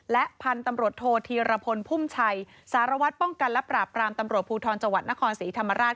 และพันธุ์ตำรวจโทษธีรพลพุ่มชัยสารวัตรป้องกันและปราบปรามตำรวจภูทรจังหวัดนครศรีธรรมราช